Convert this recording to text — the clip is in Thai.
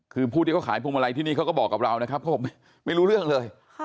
คือผู้ที่เขาขายพวงมาลัยที่นี่เขาก็บอกกับเรานะครับเขาบอกไม่รู้เรื่องเลย